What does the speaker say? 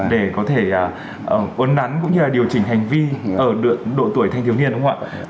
để có thể uốn nắn cũng như là điều chỉnh hành vi ở độ tuổi thanh thiếu niên đúng không ạ